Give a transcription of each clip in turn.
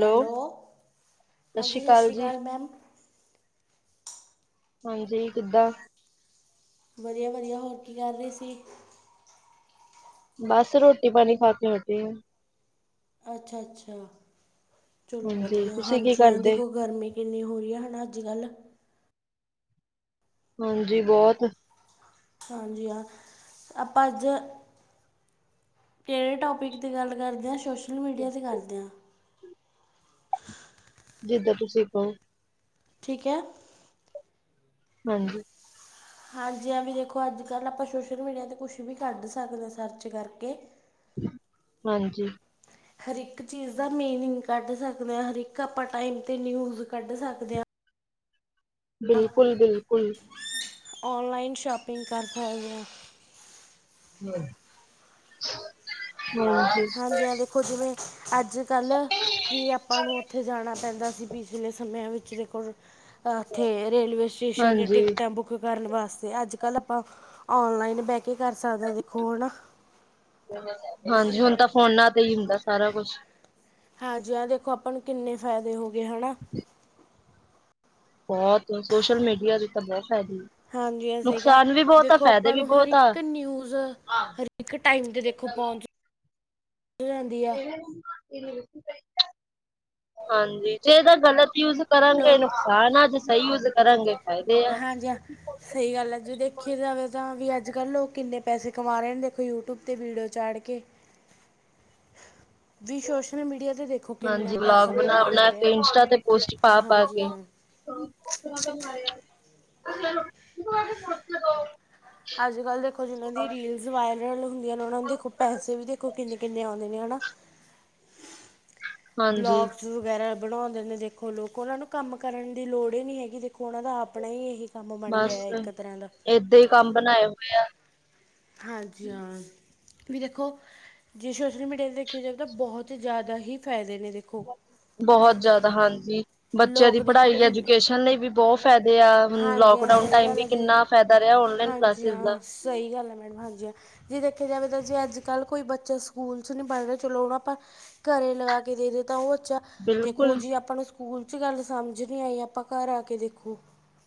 Hello ਸਤਿ ਸ਼੍ਰੀ ਹਾਂਜੀ ਸਸ ਅਕਾਲ ਸ੍ਰੀ ਜੀ। ਕਾਲ ਮੈਮ। ਹਾਂਜੀ ਕਿੱਦਾਂ? ਵਧੀਆ-ਵਧੀਆ ਹੋਰ ਕੀ ਕਰ ਰਹੇ ਸੀ। ਬਸ ਰੋਟੀ ਪਾਣੀ ਖਾ ਕੇ ਹਟੇ ਆ। ਅੱਛਾ-ਅੱਛਾ ਚਲੋ ਹਾਂਜੀ, ਵਧੀਆ ਤੁਸੀਂ ਕੀ ਹਾਂਜੀ ਹ ਕਰਦੇ? ਦੇਖੋ ਗਰਮੀ ਕਿੰਨੀ ਹੋ ਰਹੀ ਹੈ ਹਣਾ ਅੱਜ ਕੱਲ। ਹਾਂਜੀ ਬਹੁਤ। ਹਾਂਜੀ ਹਾਂ ਆਪਾਂ ਅੱਜ ਕਿਹੜੇ ਟੋਪਿਕ ਗੱਲ ਕਰਦੇ ਹਾਂ ਸੋਸ਼ਲ ਮੀਡੀਆ ਕਰਦੇ ਹਾਂ। ਜਿੱਦਾਂ ਤੁਸੀਂ ਕਹੋ। ਠੀਕ ਹੈ। ਹਾਂਜੀ ਹਾਂਜੀ ਹਾਂ ਵੀ ਦੇਖੋ ਅੱਜ ਕੱਲ੍ਹ ਆਪਾਂ ਸੋਸ਼ਲ ਮੀਡੀਆ ਤੇ ਕੁਛ ਵੀ ਕੱਢ ਸਕਦੇ ਆਂ ਸਰਚ ਕਰਕੇ। ਹਾਂਜੀ ਹਰ ਇੱਕ ਚੀਜ਼ ਦਾ ਮੀਨਿੰਗ ਕੱਢ ਸਕਦੇ ਹਾਂ ਹਰ ਇੱਕ ਆਪਾਂ ਟਾਈਮ ਤੇ ਨਿਊਜ਼ ਕੱਢ ਸਕਦੇ ਹਾਂ। ਬਿਲਕੁਲ-ਬਿਲਕੁਲ ਔਨਲਾਈਨ ਸ਼ਾਪਿੰਗ ਕਰ ਸੱਕਦੇ ਆ। [unintelligible] ਅੱਜਕਲ ਵੀ ਆਪਾਂ ਨੂੰ ਉੱਥੇ ਜਾਣਾ ਪੈਂਦਾ ਸੀ ਪਿਛਲੇ ਸਮਿਆਂ ਵਿੱਚ ਦੇਖੋ ਤਾਂ ਇੱਥੇ ਰੇਲਵੇ ਸਟੇਸ਼ਨ ਦੀ ਹਾਂਜੀ। ਟਿਕਟਾਂ ਬੁੱਕ ਕਰਨ ਵਾ ਅੱਜ ਕੱਲ ਆਪਾਂ ਔਨਲਾਈਨ ਬ ਕੀ ਕਰ ਸਕਦੇ ਹੋ ਦੇਖੋ ਨਾ। ਫ਼ੋਨਾਂ ਤੇ ਹੀ ਹੁੰਦਾ ਸਾਰਾ ਕੁਛ। ਹਾਂਜੀ ਆਹ ਦੇਖੋ ਆਪਾਂ ਨੂੰ ਕਿੰਨੇ ਫਾਇਦੇ ਹੋ ਗਏ ਹਨਾ। ਬਹੁਤ ਸੋਸ਼ਲ ਮੀਡੀਆ ਦੇ ਤਾਂ ਬਹੁਤ ਫਾਇਦੇ ਆ। ਹਾਂਜੀ ਸਹੀ ਕਿਹਾ ਨੁਕਸਾਨ ਵੀ ਬਹੁਤ ਦੇਖੋ ਫਾਇਦੇ ਆਪਾਂ ਵੀ ਨੂੰ ਹਰ ਬਹੁਤ ਆ। ਇੱਕ ਨਿਊਜ਼ ਹਰ ਇੱਕ ਟਾਈਮ ਤੇ ਦੇਖੋ ਪ [unintelligible] ਰਦੀਆਂ। ਹਾਂਜੀ ਜੇ ਇਹਦਾ ਗ਼ਲਤ ਯੂਜ ਕਰਗੇ ਲੋਕ ਨੁਕਸਾਨ ਆ ਜੇ ਸਹੀ ਯੂਜ ਕਰਾਂਗੇ। ਫਾਇਦੇ ਆ। ਹਾਂਜੀ ਹਾਂ ਸਹੀ ਗੱਲ ਹੈ ਜੇ ਦੇਖਿਆ ਜਾਵੇ ਤਾਂ ਵੀ ਅੱਜ ਕੱਲ ਲੋਕ ਕਿੰਨੇ ਪੈਸੇ ਕਮਾ ਰਹੇ ਨੇ ਦੇਖੋ ਯੂਟਿਊਬ ਤੇ ਵੀਡੀਓ ਚਾੜ ਕੇ। ਹ ਵੀ ਸੋਸ਼ਲ ਮੀਡੀਆ ਤੇ ਦੇਖੋ ਕਿੰਨਾ ਹਾਂਜੀ, ਪੈਸਾ ਵਲੋਗ ਬਣਾ ਕਮਾਇਆ ਜਾ ਬਣਾ ਰਿਹਾ ਕੇ ਇੰਸਟਾ ਤੇ ਪੋਸਟ ਪਾ ਪਾ ਹਾਂਜੀ ਹਾਂ। [unintelligible] ਅੱਜ ਕੱਲ ਦੇਖੋ ਜਿਨਾਂ ਦੀ ਰੀਲਜ਼ ਵਾਇਰਲ ਹੁੰਦੀਆਂ ਨੇ ਉਹਨਾਂ ਨੂੰ ਦੇਖੋ ਪੈਸੇ ਵੀ ਦੇਖੋ ਕਿੰਨੇ ਕਿੰਨੇ ਆਉਂਦੇ ਨੇ ਹਨਾ ਹਾਂਜੀ ਬਲੋਕਸ ਵਗੈਰਾ ਬਣਾਉਂਦੇ ਨੇ ਦੇਖੋ ਲੋਕ ਉਹਨਾਂ ਨੂੰ ਕੰਮ ਕਰਨ ਦੀ ਲੋੜ ਹੀ ਨਹੀਂ ਹੈਗੀ ਦੇਖੋ ਉਨ੍ਹਾਂ ਦਾ ਆਪਣਾ ਹੀ ਇਹੀ ਕੰਮ ਬਣ ਬਸ ਗਿਆ ਇੱਕ ਤਰ੍ਹਾਂ ਦਾ ਏਦਾਂ ਹੀ ਕੰਮ [unintelligible] ਹਾਂਜੀ ਹਾਂ ਵੀ ਦੇਖੋ ਜੇ ਸੋਸ਼ਲ ਮੀਡੀਆ ਤੇ ਦੇਖਿਆ ਜਾਵੇ ਤਾਂ ਬਹੁਤ ਜ਼ਿਆਦਾ ਹੀ ਫਾਇਦਾ ਬਹੁਤ ਜਿਆਦਾ ਹਾਂਜੀ ਬੱਚਿਆਂ ਦੀ ਲੋਕ ਦੇਖੋ ਪੜ੍ਹਾਈ ਕਿੰਨੇ ਐਜੂਕੇਸ਼ਨ ਲਈ ਵੀ ਬਹੁਤ ਫਾਇਦੇ ਤੇ ਆ ਹਾਂਜੀ ਹਾਂ ਲੋਕਡਾਊਨ ਸਹੀ ਟਾਈਮ ਗੱਲ ਵੀ ਹੈ ਜੀ ਕਿੰਨਾ ਫਾਇਦਾ ਰਿਹਾ ਔਨਲਾਈਨ ਹਾਂਜੀ ਕਲਾਸਿਸ ਦਾ ਹਾਂ ਸਹੀ ਗੱਲ ਹੈ ਮੈਡਮ ਹਾਂਜੀ ਹਾਂ ਜੇ ਦੇਖਿਆ ਜਾਵੇ ਤਾਂ ਜੇ ਅੱਜ ਕੱਲ ਕੋਈ ਬੱਚੇ ਸਕੂਲ ਚ ਨਹੀਂ ਪੜ੍ਹ ਰਹੇ ਚਲੋ ਹੁਣ ਆਪਾਂ ਘਰੇ ਲਗਾ ਕੇ ਦੇ ਦਿੱਤਾ ਉਹ ਦੇਖੋ ਬਿਲਕੁਲ ਜੀ ਆਪਾਂ ਨੂੰ ਸਕੂਲ ਚ ਗੱਲ ਸਮਝ ਨੀ ਆਈ ਆਪਾਂ ਘਰ ਆ ਕੇ ਦੇਖੋ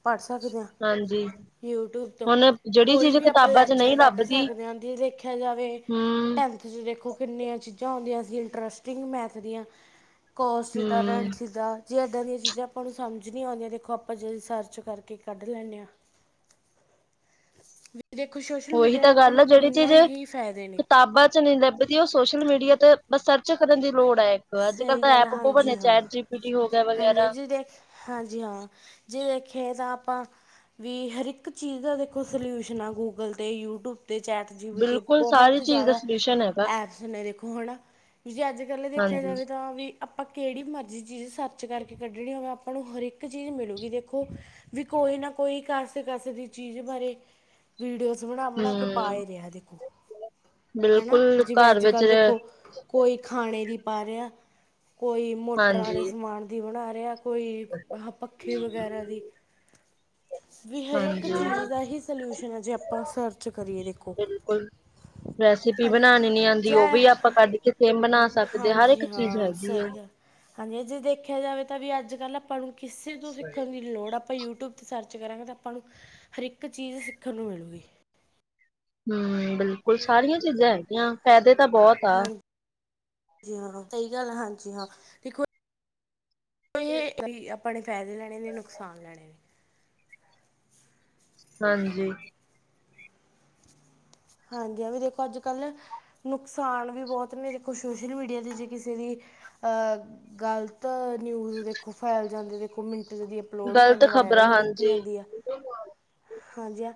ਪੜ ਸਕਦੇ ਹਾਂ ਹਾਂਜੀ ਯੂਟਿਊਬ ਤੋਂ ਹੁਣ ਜਿਹੜੀ ਕੋਈ ਚੀਜ਼ ਵੀ ਆਪਾਂ ਕਿਤਾਬਾਂ ਲੈ ਚ ਚਰ ਨਹੀਂ ਕੱਢ ਲੱਭਦੀ ਸਕਦੇ ਹਾਂ ਜੇ ਦੇਖਿਆ ਜਾਵੇ ਹਮ ਟੈਨਥ ਚ ਦੇਖੋ ਕਿੰਨੀਆਂ ਚੀਜ਼ਾਂ ਆਉਂਦੀਆਂ ਸੀ ਇੰਟਰਸਟਿੰਗ ਮੈਥ ਦੀਆਂ ਕੋਸ ਥਿਟਾ ਰੈਣ ਹਮ ਥੀਟਾ ਜੇ ਇੱਦਾਂ ਦੀਆਂ ਚੀਜ਼ਾਂ ਆਪਾਂ ਨੂੰ ਸਮਝ ਨਹੀਂ ਆਉਂਦੀਆਂ ਦੇਖੋ ਆਪਾਂ ਜੇ ਸਰਚ ਕਰਕੇ ਕੱਢ ਲੈਨੇ ਹਾਂ ਵੀ ਜੇ ਉਹੀ ਤਾਂ ਗੱਲ ਆ ਜਿਹੜੀ ਚੀਜ਼ ਫਾਇਦੇ ਨੇ ਕਿਤਾਬਾਂ ਚ ਨਹੀਂ ਲੱਭਦੀ ਉਹ ਸੋਸ਼ਲ ਮੀਡੀਆ ਤੇ ਸਰਚ ਕਰਨ ਦੀ ਲੋੜ ਹੈ ਇੱਕ ਅੱਜ ਕਲ ਸਹੀ ਤਾਂ ਗੱਲ ਐਪ ਬਹੁ ਹਾਂਜੀ ਬਣੇ ਹਾਂ ਚੈਟ ਜੀਪੀਟੀ ਹਾਂਜੀ ਜੇ ਦੇਖ ਹਾਂਜੀ ਹਾਂ ਜੇ ਦੇਖ ਦੇਖੀਏ ਤਾਂ ਆਪਾਂ ਵੀ ਹਰ ਇੱਕ ਚੀਜ਼ ਦਾ ਦੇਖੋ ਸਲਿਊਸ਼ਨ ਆ ਗੂਗਲ ਤੇ ਯੂਟਿਊਬ ਅਤੇ ਚੈਟ ਜੀ ਬੀ ਟੀ ਬਿਲਕੁਲ ਸਾਰੀ ਬਹੁਤ ਚੀਜ਼ ਦਾ ਜ਼ਿਆਦਾ ਸਲਿਊਸ਼ਨ ਹੈਗਾ ਐਪਸ ਨੇ ਦੇਖੋ ਹੈ ਨਾ ਵੀ ਅੱਜ ਕੱਲ ਦੇ ਦੇਖਿਆ ਹਾਂਜੀ ਜਾਵੇ ਤਾਂ ਵੀ ਆਪਾਂ ਕਿਹੜੀ ਮਰਜ਼ੀ ਚੀਜ਼ ਸਰਚ ਕਰਕੇ ਕੱਢਣੀ ਹੋਵੇ ਆਪਾਂ ਨੂੰ ਹਰ ਇੱਕ ਚੀਜ਼ ਮਿਲੂਗੀ ਦੇਖੋ ਵੀ ਕੋਈ ਨਾ ਕੋਈ ਕਾਸੇ ਕਾਸੇ ਦੀ ਚੀਜ਼ ਬਾਰੇ ਵੀਡੀਓ ਬਣਾ ਬਣਾ ਕੇ ਪਾ ਹਮ ਹੀ ਰਿਹਾ ਦੇਖੋ ਹਨਾ ਬਿਲਕੁਲ ਜਿਵੇਂ ਘਰ ਅੱਜ ਵਿੱਚ ਕੱਲ ਰ ਦੇਖੋ ਕੋਈ ਖਾਣੇ ਦੀ ਪਾ ਰਿਹਾ ਕੋਈ ਮੋਟਰਾਂ ਵਾਲੇ ਹਾਂਜੀ ਸਮਾਨ ਦੀ ਬਣਾ ਰਿਹਾ ਕੋਈ ਪੱਖੇ ਵਗੈਰਾ ਦੇ ਵੀ ਹਰ ਇੱਕ ਹਾਂਜੀ ਚੀਜ਼ ਦਾ ਹੀ ਸਲਿਊਸ਼ਨ ਹੈ ਜੇ ਆਪਾਂ ਸਰਚ ਕਰੀਏ ਦੇਖੋ ਬਿਲਕੁਲ ਰੈਸਿਪੀ ਹਾਂਜੀ ਹਾਂ। ਬਣਾਉਣੀ ਨੀ ਆਉਂਦੀ ਉਹ ਜੈ ਵੀ ਆਪਾਂ ਕੱਢ ਕੇ ਸੇਮ ਬਣਾ ਸਕਦੇ ਹਰ ਇੱਕ ਹਾਂਜੀ ਚੀਜ਼ ਹਾਂ ਹੈਗੀ ਆ ਸਹੀ ਗੱਲ ਹਾਂਜੀ ਜੇ ਦੇਖਿਆ ਜਾਵੇ ਤਾਂ ਵੀ ਅੱਜ ਕੱਲ ਆਪਾਂ ਨੂੰ ਕਿਸੇ ਤੋਂ ਸਿੱਖਣ ਦੀ ਲੋੜ ਆਪਾਂ ਯੂਿਊ ਯਟਿਊਬ ਤੇ ਸਰਚ ਕਰਾਂਗੇ ਤਾਂ ਆਪਾਂ ਨੂੰ ਹਰਕ ਚੀਜ਼ ਸਿੱਖਣ ਨੂੰ ਮਿਲੂਗੀ ਹੂ ਬਿਲਕੁਲ ਸਾਰੀਆਂ ਚੀਜ਼ਾਂ ਹੈਗੀਆਂ ਫਾਇਦੇ ਤਾਂ ਬਹੁਤ ਆ ਜੀ ਹਾਂ ਸਹੀ ਗੱਲ ਹਾਂਜੀ ਹਾਂ ਦੇਖੋ ਵੀ ਆਪਣੇ ਫ਼ਾਇਦੇ ਲੈਣੇ ਨੇ ਨੁਕਸਾਨ ਲੈਣੇ ਨੇ ਹਾਂਜੀ ਹਾਂਜੀ ਆ ਵੀ ਦੇਖੋ ਅੱਜ ਕੱਲ ਨੁਕਸਾਨ ਵੀ ਬਹੁਤ ਨੇ ਦੇਖੋ ਸੋਸ਼ਲ ਮੀਡੀਆ ਤੇ ਜੇ ਕਿਸੇ ਦੀ ਅਹ ਗ਼ਲਤ ਨਿਊਜ਼ ਦੇਖੋ ਫੈਲ ਜਾਂਦੇ ਦੇਖੋ ਮਿੰਟ ਜਦੀ ਅਪਲੋਡ ਹੋ ਗ਼ਲਤ ਜਾਂਦੀ ਆ ਖ਼ਬਰਾਂ ਵਾਇਰਲ ਕੀਤੀ ਹਾਂਜੀ ਜਾਂਦੀ ਹੈ ਹਾਂਜੀ ਹਾਂ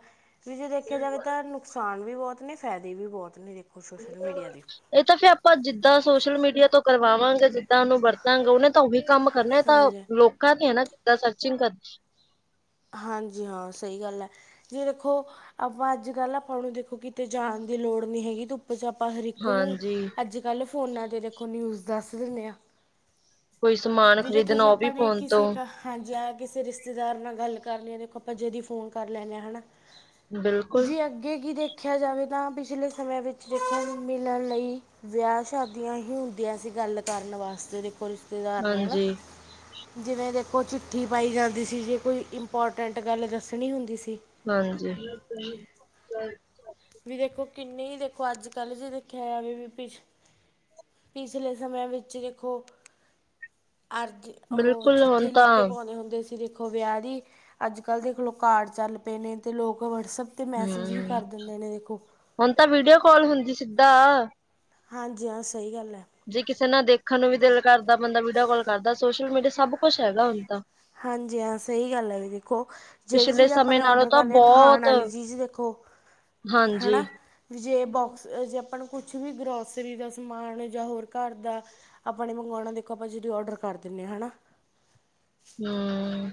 ਵੀ ਜੇ ਦੇਖਿਆ ਜਾਵੇ ਤਾਂ ਨੁਕਸਾਨ ਵੀ ਬਹੁਤ ਨੇ ਫ਼ਾਇਦੇ ਵੀ ਬਹੁਤ ਨੇ ਸੋਸ਼ਲ ਮੀਡੀਆ ਦੇ ਇਹ ਤਾਂ ਫਿਰ ਆਪਾਂ ਜਿੱਦਾਂ ਸੋਸ਼ਲ ਮੀਡੀਆ ਮਡੀਆ ਤੋਂ ਕਰਵਾਵਾਂਗੇ ਜਿੱਦਾਂ ਉਹਨੂੰ ਵਰਤਾਂਗੇ ਉਹਨੇ ਤਾਂ ਉਹੀ ਕੰਮ ਕਰਨਾ ਤਾਂ ਹਾਂਜੀ ਲੋਕਾਂ ਤੇ ਹੈ ਸਰਚਿੰਗ ਕਰਦਾ ਹਾਂਜੀ ਹਾਂ ਸਹੀ ਗੱਲ ਹੈ ਜੇ ਦੇਖੋ ਆਪਾਂ ਅੱਜ ਕੱਲ ਆਪਾਂ ਹ ਦੇਖੋ ਕਿਤੇ ਜਾਣ ਦੀ ਲੋੜ ਨਹੀਂ ਹੈਗੀ ਤੂੰ ਆਪ ਚ ਆਪਾਂ ਹਰਕ ਨੂੰ ਹਾਂਜੀ ਅੱਜ ਕੱਲ ਫੋਨਾਂ ਤੇ ਦੇਖੋ ਨਿਊਜ਼ ਦੱਸ ਦਿੰਦੇ ਹਾਂ ਕੋਈ ਸਮਾਨ ਵੀ ਦੇਖੋ ਖ਼ਰੀਦਣਾ ਜੀ ਉਹ ਵੀ ਆਪਾਂ ਨੇ ਫੋਨ ਤੋਂ ਕਿਸੇ ਕ ਹਾਂਜੀ ਹਾਂ ਕਿਸੇ ਰਿਸ਼ਤੇਦਾਰ ਨਾਲ ਗੱਲ ਕਰ ਲਈਏ ਦੇਖੋ ਆਪਾਂ ਜੇਦੀ ਫੋਨ ਕਰ ਲੈਂਦੇ ਹਾਂ ਹਨਾ ਬਿਲਕੁਲ ਜੀ ਅੱਗੇ ਕੀ ਦੇਖ ਦੇਖਿਆ ਜਾਵੇ ਤਾਂ ਪਿਛਲੇ ਸਮੇਂ ਵਿੱਚ ਦੇਖਣ ਮਿਲਣ ਲਈ ਵਿਆਹ ਸ਼ਾਦੀਆਂ ਹੀ ਹੁੰਦੀਆਂ ਸੀਗ ਗੱਲ ਕਰਨ ਵਾਸਤੇ ਦੇਖੋ ਰਿਸ਼ਤੇਦਾਰ ਨਾਲ ਹਾਂਜੀ ਜਿਵੇਂ ਦੇਖੋ ਚਿੱਠੀ ਪਾਈ ਜਾਂਦੀ ਸੀ ਜੇ ਕੋਈ ਇੰਪੋਰਟੈਂਟ ਗੱਲ ਦੱਸਣੀ ਹੁੰਦੀ ਸੀ ਹਾਂਜੀ ਕਿੰਨਨੀ ਹੀ ਦੇਖੋ ਅੱਜ ਕੱਲ ਜੇ ਦੇਖਿਆਵੇ ਪਿਛਲੇ ਸਮਿਆਂ ਵਿੱਚ ਦੇਖੋ ਅਰਜ਼ ਉਹ ਬਿਲਕੁਲ ਹੁਣ ਚਿੱਠੀ ਲਿਖ ਤਾਂ ਕੇ ਪਾਉਦੇ ਹੁੰਦੇ ਸੀ ਲ ਦੇਖੋ ਵਿਆਹ ਦੀ ਅੱਜ ਕੱਲ੍ਹ ਦੇਖੋਲ ਕਾਰਡ ਚੱਲ ਪਏ ਨੇ ਤੇ ਲੋਕ ਵਟਸਐਪ ਤੇ ਮੈਸੇਜ ਹੀ ਹੂੰ ਕਰਦੇ ਹੁਣ ਤਾਂ ਵੀਡੀਓ ਕਾਲ ਹੁੰਦੀ ਸਿੱਧਾ ਹਾਂਜੀ ਹਾਂ ਸਹੀ ਗੱਲ ਹੈ ਜੇ ਕਿਸੇ ਨਾਲ ਦੇਖਣ ਨੂੰ ਵੀ ਦਿਲ ਕਰਦਾ ਬੰਦਾ ਵੀਡੀਓ ਕਾਲ ਕਰਦਾ ਸੋਸ਼ਲ ਮੀਡੀਆ ਸਭ ਕੁਛ ਹੈਗਾ ਹੁਣ ਤਾਂ ਹਾਂਜੀ ਹਾਂ ਸਹੀ ਗੱਲ ਹੈ ਵੀ ਦੇਖੋ ਜਿਹੜੀ ਪਿਛਲੇ ਚੀਜ਼ ਆਪਾਂ ਸਮੇਂ ਨੇ ਨਾਲੋਂ ਔਡਰ ਤਾਂ ਕਰਨੀ ਆ ਖਾਣ ਬਹੁਤ ਵਾਲੀ ਚੀਜ਼ ਦੇਖੋ ਹਾਂਜੀ ਹਨਾ ਜੇ ਬੋਕਸ ਜੇ ਆਪਾਂ ਨੂੰ ਕੁਛ ਵੀ ਗਰੋਸਰੀ ਦਾ ਸਮਾਨ ਜਾਂ ਹੋਰ ਘਰ ਦਾ ਆਪਣੇ ਮੰਗਵਾਉਣਾ ਦੇਖੋ ਆਪਾਂ ਜਿਹੜੀ ਔਡਰ ਕਰ ਦਿੰਦੇ ੇ ਹੈਾ ਹਮ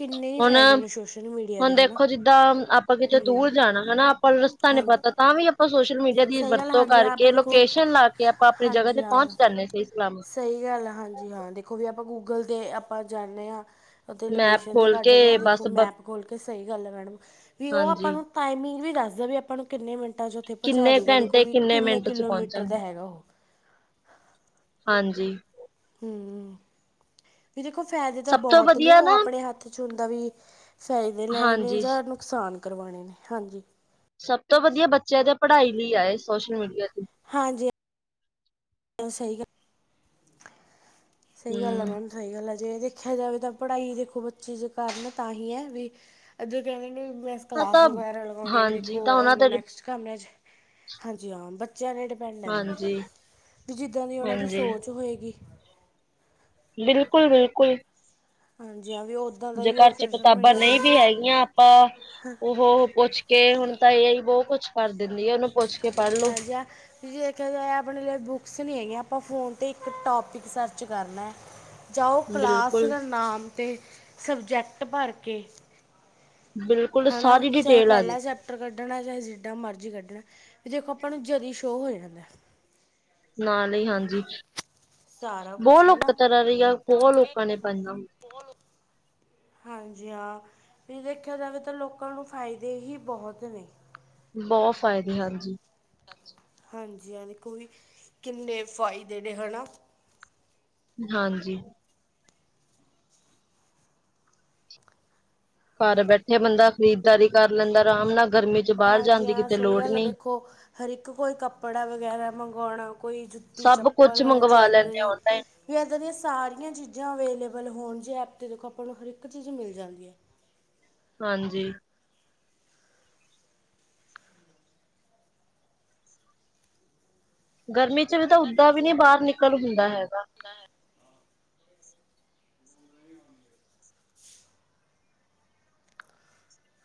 ਕਿੰਨੇ ਹੀ ਹੁਣ ਫਾਇਦੇ ਨੇ ਸੋਸ਼ਲ ਮੀਡੀਆ ਹੁਣ ਦੇ ਹੈ ਨਾ ਦੇਖੋ ਜਿੱਦਾਂ ਆਪਾਂ ਕਿਤੇ ਹੂੰ ਦੂਰ ਜਾਣਾ ਹਨਾ ਆਪਾਂ ਰਸਤਾ ਨਹੀਂ ਹਾਂਜੀ ਪਤਾ ਤਾਂ ਵੀ ਆਪਾਂ ਸੋਸ਼ਲ ਮੀਡੀਆ ਦੀ ਸਹੀ ਗੱਲ ਵਰਤੋਂ ਹਾਂਜੀ ਕਰਕੇ ਆਪਾਂ ਦੇਖੋ ਲੋਕੇਸ਼ਨ ਲਾ ਕੇ ਆਪਾਂ ਆਪਣੀ ਜਗ੍ਹਾ ਹਾਂਜੀ ਤੇ ਹਾਂ ਪਹੁੰਚ ਜਾਂਦੇ ਸੀ ਸਹੀ ਗੱਲ ਆ ਹਾਂਜੀ ਹਾਂ ਦੇਖੋ ਵੀ ਆਪਾਂ ਗੂਗਲ ਤੇ ਆਪਾਂ ਜਾਂਦੇ ਹਾਂ ਮੈਪ ਲੋਕੇਸ਼ਨ ਤੇ ਖੋਲ ਕੱਢਦੇ ਆ ਕੇ ਦੇਖੋ ਬਸ ਬ ਮੈਪ ਖੋਲ ਕੇ ਸਹੀ ਗੱਲ ਹੈ ਮੈਡਮ ਵੀ ਉਹ ਆਪਾਂ ਹਾਂਜੀ ਨੂੰ ਟਾਈਮਿੰਗ ਵੀ ਦੱਸਦਾ ਵੀ ਆਪਾਂ ਨੂੰ ਕਿੰਨੇ ਮਿੰਟ ਟਾਂ ਚ ਉੱਥੇ ਪਹੁੰਚਾ ਕਿੰਨੇ ਦੂਗਾ ਦੇਖੋ ਘੰਟੇ ਵੀ ਕਿੰਨੇ ਮਿੰਟ ਚ ਕਿਲੋਮੀਟਰ ਪਹੁੰਚਣ ਦਾ ਹੈਗਾ ਉਹ ਹਾਂਜੀ ਹਮ ਸੀ ਦੇਖੋ ਫਾਇਦੇ ਤਾਂ ਸਭ ਤੋਂ ਬਹੁਤ ਨੇ ਵਧੀਆ ਉਹ ਨਾ ਆਪਣੇ ਹੱਥ 'ਚ ਹੁੰਦਾ ਵੀ ਫਾਇਦੇ ਲੈਣੇ ਨੇ ਹਾਂਜੀ ਜਾਂ ਨੁਕਸਾਨ। ਕਰਵਾਣੇ ਨੇ ਹਾਂਜੀ। ਸਭ ਤੋਂ ਵਧੀਆ ਬੱਚੇ ਦੇ ਪੜ੍ਹਾਈ ਲਈ ਆ ਇਹ ਸੋਸ਼ਲ ਮੀਡੀਆ। ਤੇ ਹਾਂਜੀ ਸਹੀ ਗਲ, ਸਹੀ-ਸਹੀ ਗੱਲ ਆ ਹੂੰ ਮੈਮ ਸਹੀ ਗੱਲ ਹੈ। ਜੇ ਦੇਖਿਆ ਜਾਵੇ ਤਾਂ ਪੜ੍ਹਾਈ ਦੇਖੋ ਬੱਚੇ ਜੇ ਕਰਨ ਤਾਂ ਹੀ ਹੈ ਵੀ ਅੱਗੋਂ ਕਹਿੰਦੇ ਨੇ ਹਾਂ ਕਲਾਸ ਤਾਂ ਵਗੈਰਾ ਲਗਉਣੀ ਆਂ ਵੀ ਹਾਂਜੀ ਤਾਂ ਦੇਖੋ ਉਹਨਾਂ ਦੇ ਨੈਕਸਟ ਕਮਰੇ ਚ, ਹਾਂਜੀ ਹਾਂ ਬਚ ਜ਼ਿਆਦੇ ਡਿਪੈਂਡ ਆ ਮੈਮ, ਹਾਂਜੀ ਜਿਦਾਂ ਦੀ ਉਹਨਾ ਦੀ ਸੋਚ ਹੋਏਗੀ। ਬਿਲਕੁਲ-ਬਿਲਕੁਲ। ਹਾਂ। ਵੀ ਉੱਦਾਂ ਦਾ ਜੇ ਹੀ ਉਹ ਘਰ ਚ ਸੋਸ਼ਲ ਕਿਤਾਬਾਂ ਮੀਡੀਆ ਨਹੀਂ ਵੀ 'ਤੇ ਹੈਗੀਆਂ ਆਪਾਂ ਉਹ ਪੁੱਛ ਕੇ ਹੁਣ ਤਾਂ ਇਹਈ ਬਹੁ ਕੁੱਛ ਕਰ ਦਿੰਦੀ ਉਹਨੂੰ ਪੁੱਛ ਕੇ ਪੜ੍ਹ ਲੋ ਹਾਂਜੀ, ਹ ਤੁਸੀਂ ਦੇਖਿਆ ਜਾਏ ਆਪਣੇ ਲਈ ਬੁੱਕਸ ਨਹੀਂ ਹੈਗੀਆਂ। ਆਪਾਂ ਫੋਨ ਤੇ ਇੱਕ ਟੋਪਿਕ ਸਰਚ ਕਰਨਾ ਜਾਂ ਉਹ ਕਲਾਸ ਬਿਲਕੁਲ ਦਾ ਨਾਮ। ਤੇ ਸਬਜੈਕਟ ਭਰ ਕੇ ਬਿਲਕੁਲ ਹੈਣਾ, ਸਾਰੀ ਚਾਹੇ ਡਿਟੇਲ ਆ ਜੇ ਪਹਿਲਾਂ ਚੈਪਟਰ ਕੱਢਣਾ ਚਾਹੇ ਜਿੱਦਾਂ ਮਰਜ਼ੀ ਕੱਢਣਾ। ਦੇਖੋ ਆਪਾਂ ਨੂੰ ਜਦੀ ਸ਼ੋਅ ਹੋ ਜਾਂਦਾ। ਨਾਲ ਹੀ ਹਾਂਜੀ। ਸਾਰਾ ਬਹੁ ਕੁਛ ਲੋਕ ਹਨਾ ਤਰ੍ਹਾਂ ਰਿਆਂ ਬਹੁਤ ਲੋਕਾਂ ਨੇ ਪਾਈਆਂ। ਹਾਂਜੀ-ਹਾਂ, ਵੀ ਦੇਖਿਆ ਜਾਵੇ ਤਾਂ ਲੋਕਾਂ ਨੂੰ ਫਾਇਦੇ ਹੀ ਬਹੁਤ ਨੇ। ਬਹੁਤ ਫਾਇਦੇ ਹਾਂਜੀ। ਹਾਂਜੀ-ਹਾਂਜੀ ਦੇ ਵੇਖੋ ਕਿੰਨੇ ਫਾਇਦੇ ਨੇ ਹੈਨਾ। ਹਾਂਜੀ। ਘਰ ਬੈਠੇ ਬੰਦਾ ਖਰੀਦਦਾਰੀ ਕਰ ਲੈਂਦਾ ਆਰਾਮ ਨਾਲ। ਗਰਮੀ ਚ ਬਾਹਰ ਜਾਣ ਦੀ ਹਾਂਜੀ-ਹਾਂ ਕਿਤੇ ਸਹੀ ਲੋੜ ਗੱਲ ਆ, ਨੀ। ਦੇਖੋ ਹਰ ਇੱਕ ਕੋਈ ਕੱਪੜਾ ਵਗੈਰਾ ਮੰਗਵਾਉਣਾ ਕੋਈ ਜੁਤ ਸਭ ਕੁਛ ਮੰਗਵਾ ਲੈਂਦੇ ਆ ਆਨਲਾਈਨ। ਵੀ ਇਦਾਂ ਦੀਆਂ ਸਾਰੀਆਂ ਚੀਜ਼ਾਂ ਅਵੇਲੇ ਮਤਲਬ ਹੋਣ ਜਿਹੇ ਐਪ 'ਤੇ ਦੇਖੋ ਆਪਾਂ ਨੂੰ ਹਰ ਇੱਕ ਚੀਜ਼ ਮਿਲ ਜਾਂਦੀ ਹੈ। ਹਾਂਜੀ। ਗਰਮੀ ਚ ਵੀ ਤਾਂ ਓਦਾਂ ਵੀ ਨੀ ਬਾਹਰ ਨਿਕਲ ਹੁੰਦਾ ਐ। ਗ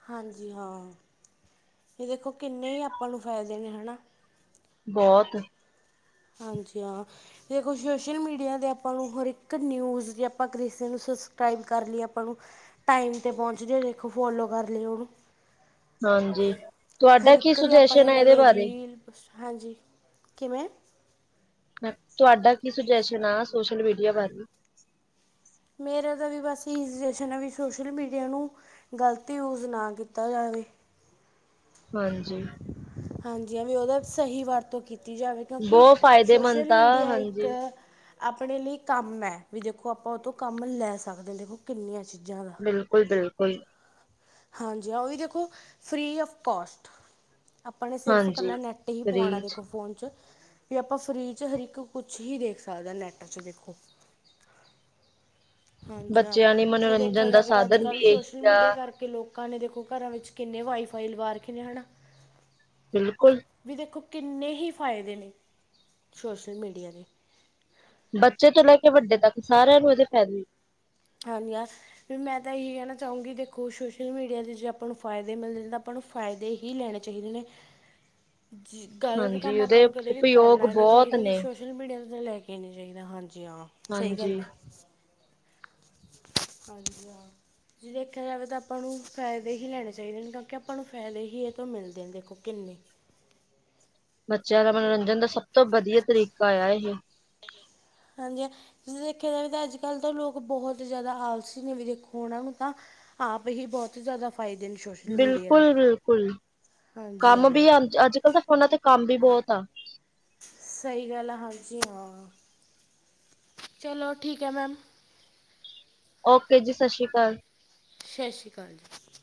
ਹਾਂਜੀ-ਹਾਂ ਇਹ ਦੇਖੋ ਕਿੰਨੇ ਆਪਾਂ ਨੂੰ ਫਾਇਦੇ ਨੇ ਹੈਨਾ। ਬਹੁਤ। ਹਾਂਜੀ-ਹਾਂ ਦੇਖੋ ਸੋਸ਼ਲ ਮੀਡੀਆ ਤੇ ਆਪਾਂ ਨੂੰ ਹਰ ਇੱਕ ਨਿਊਜ਼ ਜੇ ਆਪਾਂ ਕਿਸੇ ਨੂੰ ਸਬਸਕ੍ਰਾਈਬ ਕਰ ਲਈਏ ਆਪਾਂ ਨੂੰ ਟਾਈਮ 'ਤੇ ਪਹੁੰਚਦੇ ਦੇਖੋ ਫੋਲੋ ਕਰ ਲਿਓ। ਹਾਂਜੀ। ਹਰ ਤੁਹਾਡਾ ਕੀ ਇਕ ਦੀ ਸੁਜੈਸ਼ਨ ਆਪਣੇ ਹੈ ਇਹਦੇ ਲਵੇ ਬਾਰੇ? ਰੀਲ ਹਾਂਜੀ ਕਿਵੇਂ? ਤੁਹਾਡਾ ਕੀ ਸੁਜੈਸ਼ਨ ਆ ਸੋਸ਼ਲ ਮੀਡੀਆ ਬਾਰੇ? ਮੇਰਾ ਦਾ ਵੀ ਬਸ ਇਹੀੈ ਸੁਜੇਸ਼ਨ ਆ ਵੀ ਸੋਸ਼ਲ ਮੀਡੀਆ ਨੂੰ ਗ਼ਲਤ ਯੂਜ ਨਾ ਕੀਤਾ ਜਾਵੇ। ਹ [unintelligible] ਹਾਂਜੀ। ਹਾਂਜੀ, ਏਵੀ ਉਹਦਾ ਸਹੀ ਵਰਤੋਂ ਕੀ ਤੀਜਾ਼ ਵੇਖੋ ਕਿਉਂਕਿ ਬਹੁਤ ਫਾਇਦੇਮੰਦ ਸੋਸ਼ਲ ਤਾਂ ਮੀਡੀਆ ਇੱਕ ਹਾਂਜੀ ਆਪਣੇ ਲਈ ਕੰਮ ਹੈ ਵੀ ਦੇਖੋ ਆਪਾਂ ਉਹ ਤੋਂ ਕੰਮ ਲੈ ਸਕਦੇ ਹਾਂ ਦੇਖੋ ਕਿੰਨੇ ਬਿਲਕੁਲ- ਬਿਲਕੁਲ। ਹਾਂਜੀ, ਹਾ ਉਹ ਵੀ ਦੇਖੋ ਫ੍ਰਰੀ ਆਫ ਕੋਸਟ। ਆਪਾਂ ਨੇ ਸਿਰਫ਼ ਹਾਂਜੀ। ਇਕੱਲਾ ਨੈੱਟ ਹੀ ਪਆਉਣਾ ਰੀਚ ਦੇਖੋ ਫੋਨ 'ਚ। ਵੀ ਆਪਾਂ ਫ੍ਰੀ ਚ ਹਰ ਇੱਕ ਕੁਛ ਵੀ ਦੇਖ ਸਕਦੇ ਨੈਟ ਚ ਦੇਖੋ। ਹ ਹਾਂਜੀ-ਹਾਂ ਬੱਚਿਆਂ ਲਈ ਜੇ ਦੇਖਿਆ ਮਨੋਰੰਜਨ ਦਾ ਜਾਵੇ ਤਾਂ ਸਾਧਨ ਵੀ ਅੱਜ-ਕੱਲ੍ਹ ਸੋਸ਼ਲ ਇਹੀ ਆ ਮੀਡੀਆ ਕਰਕੇ ਲੋਕਾਂ ਨੇ ਦੇਖੋ ਘਰਾਂ ਵਿੱਚ ਕਿੰਨੇ ਵਾਈ-ਫਾਈ ਲਵਾ ਰੱਖੇ ਨੇ ਹੈ ਨਾ। ਬਿਲਕੁਲ ਵੀ ਦੇਖੋ ਕਿੰਨੇ ਹੀ ਫਾਇਦੇ ਨੇ ਸੋਸ਼ਲ ਮੀਡੀਆ ਦੇ ਬੱਚੇ ਤੋਂ ਲੈ ਕੇ ਵੱਡੇ ਤੱਕ ਸਾਰਿਆਂ ਨੂੰ ਇਹਦੇ ਫਾਇਦੇ ਹਾਂਜੀ ਯਾਰ ਮੈਂ ਤਾਂ ਇਹੀ ਕਹਿਣਾ ਚਾਹੂੰਗੀ ਦੇਖੋ ਸੋਸ਼ਲ ਮੀਡੀਆ ਦੇ ਜੇ ਆਪਾਂ ਨੂੰ ਫਾਇਦੇ ਮਿਲਦੇ ਤਾਂ ਆਪਾਂ ਫਾਇਦੇ ਹੀ ਲੈਣੇ ਚਾਹੀਦੇ ਨੇ ਜ ਗਲਤ ਹਾਂਜੀ ਕੰਮ ਆਪਾਂ ਉਹਦੇ ਨੂੰ ਕਦੇ ਵੀ ਉਪਯੋਗ ਕਰਨਾ ਨੀ ਬਹੁਤ ਚਾਹੀਦਾ ਤੇ ਨੇ ਸੋਸ਼ਲ ਮੀਡੀਆ ਲੈ ਕੇ ਨੀ ਚਾਹੀਦਾ ਹਾਂਜੀ ਜੀ ਹਾਂ ਸਹੀ ਹਾਂਜੀ ਗੱਲ ਹੈ ਹਾਂਜੀ ਹਾਂ ਜੇ ਦੇਖਿਆ ਜਾਵੇ ਤਾਂ ਆਪਾਂ ਨੂੰ ਫਾਇਦੇ ਹੀ ਲੈਣੇ ਚਾਹੀਦੇ ਨੇ ਕਿਉਂਕਿ ਆਪਾਂ ਨੂੰ ਫ਼ਾਇਦੇ ਹੀ ਇਹ ਤੋਂ ਮਿਲਦੇ ਨੇ ਦੇਖੋ ਕਿੰਨੇ ਅਲੀ [inaudible] ਬੱਚਿਆਂ ਦਾ ਮਨੋਰੰਜਨ ਦਾ ਸਭ ਤੋਂ ਵਧੀਆ ਤਰੀਕਾ ਆ ਇਹ ਹਾਂਜੀ ਹ ਜਂ ਦੇਖਿਆ ਜਾਵੇ ਤਾਂ ਅੱਜ ਕੱਲ੍ਹ ਤਾਂ ਲੋਕ ਬਹੁਤ ਜ਼ਿਆਦਾ ਆਪਸੀ ਨੇ ਵੀ ਦੇਖੋ ਉਹਨਾਂ ਨੂੰ ਤਾਂ ਆਪ ਹੀ ਬਹੁਤ ਹੀ ਜ਼ਿਆਦਾ ਫ਼ਾਇਦੇ ਨੇ ਸੋਸ਼ਲ ਮੀਡੀਆ ਦੇ ਬਿਲਕੁਲ ਬਿਲਕੁਲ ਹਾਂਜੀ ਕੰਮ ਹਾਂ ਵੀ ਅ ਅੱਜ ਕੱਲ ਤਾਂ ਫੋਨਾ ਤੇ ਕੰਮ ਵੀ ਬਹੁਤ ਆ ਸਹੀ ਗੱਲ ਆ ਹਾਂਜੀ ਹਾਂ ਚਲੋ ਠੀਕ ਹੈ ਮੈਮ ਓਕੇ ਜੀ ਸਤਿ ਸ਼੍ਰੀ ਅਕਾਲ ਸਤਿ ਸ਼੍ਰੀ ਅਕਾਲ ਜੀ